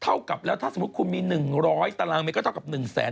เท่ากับแล้วถ้าสมมติว่ามี๑๐๐ตารางเมตรก็เท่ากับ๑๕๐๐บาทต่อ